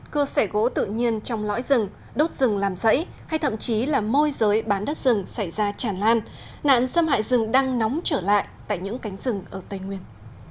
cưa sẻ gỗ tự nhiên trong lõi rừng đốt rừng làm rẫy hay thậm chí là môi giới bán đất rừng xảy ra tràn lan nạn xâm hại rừng đang nóng trở lại tại những cánh rừng ở tây nguyên